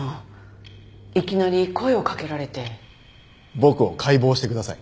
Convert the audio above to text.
僕を解剖してください。